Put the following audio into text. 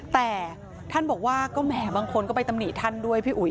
แต่ท่านบอกว่าก็แหมบางคนก็ไปตำหนิท่านด้วยพี่อุ๋ย